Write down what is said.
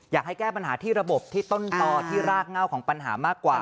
อยากให้แก้ปัญหาที่ระบบที่ต้นต่อที่รากเง่าของปัญหามากกว่า